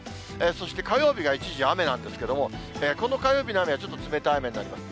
そして火曜日が一時雨なんですけども、この火曜日の雨はちょっと冷たい雨になります。